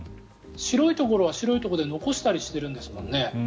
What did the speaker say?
白いところは白いところで残したりしているんですもんね。